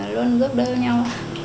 luôn giúp đỡ nhau